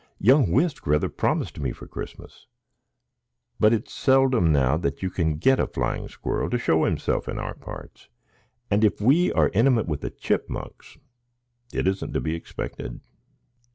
Young Whisk rather promised me for Christmas; but it's seldom now you can get a flying squirrel to show himself in our parts, and if we are intimate with the Chipmunks it isn't to be expected."